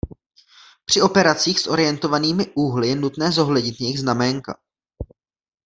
Při operacích s orientovanými úhly je nutné zohlednit jejich znaménka.